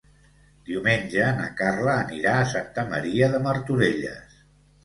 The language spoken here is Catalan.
Diumenge na Carla anirà a Santa Maria de Martorelles.